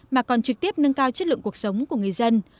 mà còn trực tiếp nâng cao chất lượng cuộc sống của người dân